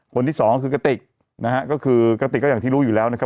คนที่สองคือกระติกนะฮะก็คือกระติกก็อย่างที่รู้อยู่แล้วนะครับ